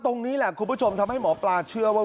ตรงนี้แหละคุณผู้ชมทำให้หมอปลาเชื่อว่า